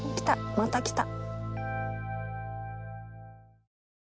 また来た！